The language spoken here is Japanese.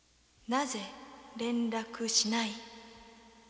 なぜ連絡しない